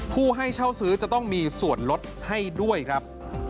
ผู้ให้เช่าซื้อจะต้องมีส่วนลดให้ด้วยครับ